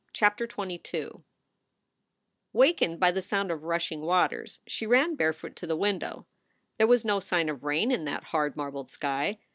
CHAPTER XXII WAKENED by the sound of rushing waters, she ran barefoot to the window. There was no sign of rain in that hard, marbled sky.